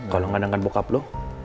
kalo gak dengan bokap lu